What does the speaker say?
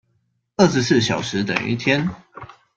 二十四小時等於一天